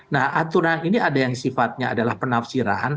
nah aturan ini ada yang sifatnya adalah penafsiran